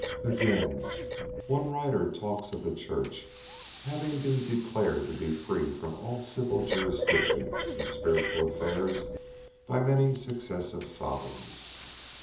Again: "One writer talks of the Church having been declared to be free from all civil jurisdiction in spiritual affairs by many successive Sovereigns.